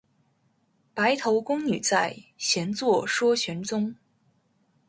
白头宫女在，闲坐说玄宗。